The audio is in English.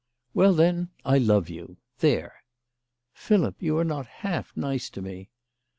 "Well, then, I love you. There !"" Philip, you are not half nice to me."